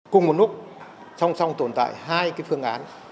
cùng một lúc song song tồn tại hai cái phương án